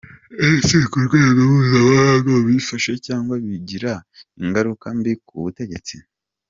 Ese ku rwego mpuzamahanga bifasha cyangwa bigira ingaruka mbi ku butegetsi ?